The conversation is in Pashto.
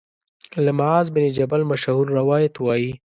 له معاذ بن جبل مشهور روایت وايي